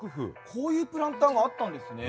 こういうプランターがあったんですね。